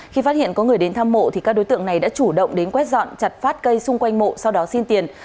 khi phát hiện có người đến thăm mộ các đối tượng này đã chủ động đến quét dọn chặt phát cây xung quanh mộ sau đó xin tiền